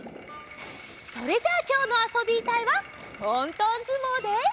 それじゃあきょうの「あそびたい」はとんとんずもうで。